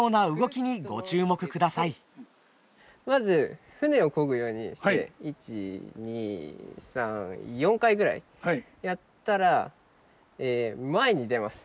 まず舟をこぐようにして１２３４回ぐらいやったら前に出ます。